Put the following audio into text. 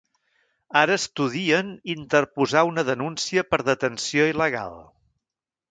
Ara estudien interposar una denúncia per detenció il·legal.